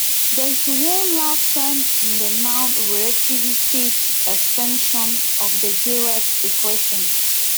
There is one last term in the non-relativistic expansion of the Dirac equation.